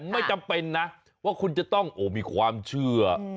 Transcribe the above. ไม่จำเป็นนะว่าคุณจะต้องมีความเชื่อ